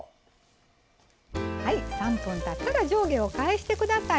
３分たったら上下を返してください。